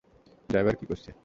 Driver কি করছে?